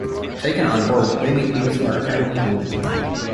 Taken on board, they meet beings who are apparently human.